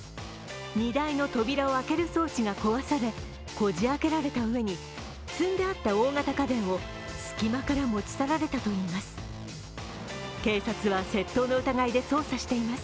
荷台の扉を開ける装置が壊されこじ開けられた上に積んであった大型家電を隙間から持ち去られたといいます。